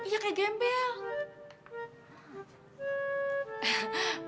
iya kayak gembel